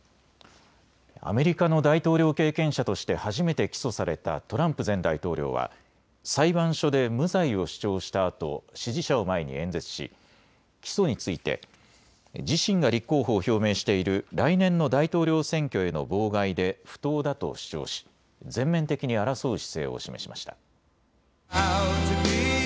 アメリカの大統領経験者として初めて起訴されたトランプ前大統領は裁判所で無罪を主張したあと支持者を前に演説し起訴について自身が立候補を表明している来年の大統領選挙への妨害で不当だと主張し全面的に争う姿勢を示しました。